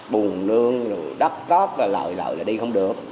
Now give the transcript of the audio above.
buồn lương đắp tóp lợi lợi là đi không được